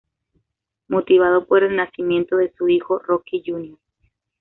Motivado por el nacimiento de su hijo Rocky Jr.